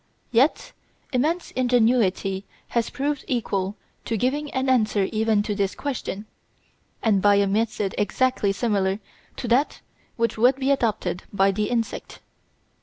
Yet man's ingenuity has proved equal to giving an answer even to this question, and by a method exactly similar to that which would be adopted by the insect.